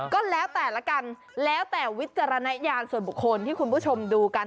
ก็แล้วแต่ละกันแล้วแต่วิจารณญาณส่วนบุคคลที่คุณผู้ชมดูกัน